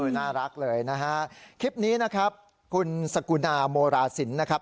น่ารักเลยนะฮะคลิปนี้นะครับคุณสกุณาโมราศิลป์นะครับ